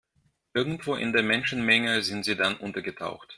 Irgendwo in der Menschenmenge sind sie dann untergetaucht.